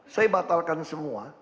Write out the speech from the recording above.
saya batalkan semua